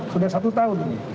sudah satu tahun